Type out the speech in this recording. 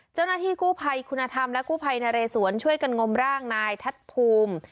เจ้าหน้าที่กู้ภัยคุณธรรมและกู้ภัยนะเรสวนช่วยกันงมร่างนายทัศน์ภูมิ